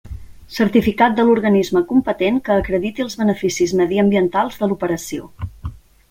Certificat de l'organisme competent que acrediti els beneficis mediambientals de l'operació.